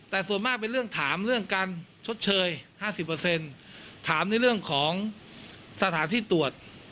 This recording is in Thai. แต่ส่วนมากเป็นเรื่องถามเรื่องการชดเชย๕๐ถามในเรื่องของสถานที่ตรวจ